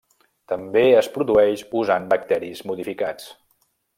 També es produeix usant bacteris modificats.